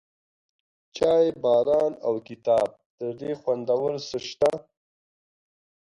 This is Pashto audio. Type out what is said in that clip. چای، باران، او کتاب، تر دې خوندور څه شته؟